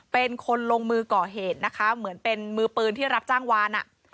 เป็นคนลงมือก่อเหตุนะคะเหมือนเป็นมือปืนที่รับจ้างวาน